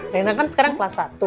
rena kan sekarang kelas satu